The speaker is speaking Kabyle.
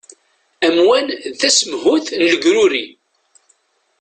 Amwan d tasemhuyt n legruri.